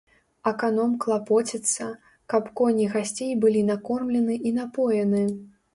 Аканом клапоціцца, каб коні гасцей былі накормлены і напоены.